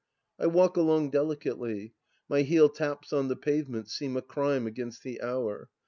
... I walk along delicately ; my heel taps on the pavement seem a crime against the hour.